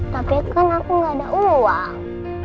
tapi kan aku gak ada uang